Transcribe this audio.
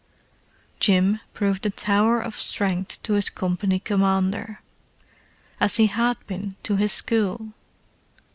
Jim proved a tower of strength to his company commander, as he had been to his school.